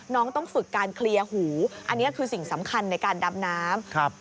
ต้องฝึกการเคลียร์หูอันนี้คือสิ่งสำคัญในการดำน้ำ